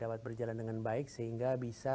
dapat berjalan dengan baik sehingga bisa